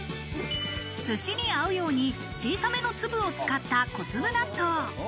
寿司に合うように小さめの粒を使った小粒納豆。